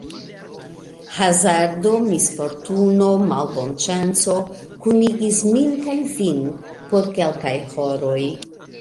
Hazardo, misfortuno, malbonŝanco kunigis min kaj vin por kelkaj horoj.